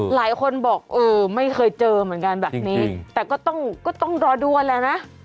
หลายคนบอกเออไม่เคยเจอเหมือนกันแบบนี้แต่ก็ต้องก็ต้องรอดูกันแหละนะ